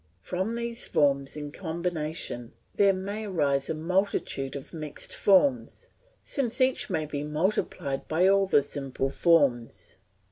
From these forms in combination there may arise a multitude of mixed forms, since each may be multiplied by all the simple forms.